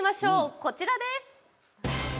こちらです。